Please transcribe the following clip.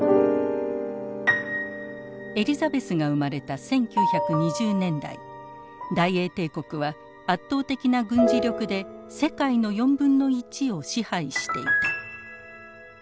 エリザベスが生まれた１９２０年代大英帝国は圧倒的な軍事力で世界の４分の１を支配していた。